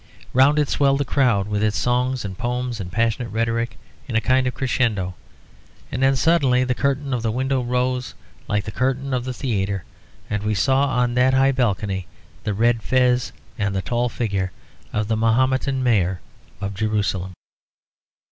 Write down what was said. Round it swelled the crowd, with its songs and poems and passionate rhetoric in a kind of crescendo, and then suddenly the curtain of the window rose like the curtain of the theatre, and we saw on that high balcony the red fez and the tall figure of the Mahometan Mayor of Jerusalem.